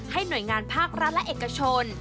หน่วยงานภาครัฐและเอกชน